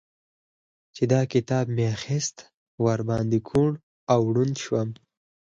چې دا کتاب مې اخيست؛ ور باندې کوڼ او ړونډ شوم.